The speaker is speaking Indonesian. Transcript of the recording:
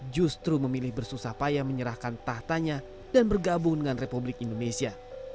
justru memilih bersusah payah menyerahkan tahtanya dan bergabung dengan republik indonesia